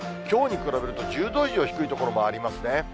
きょうに比べると１０度以上低い所もありますね。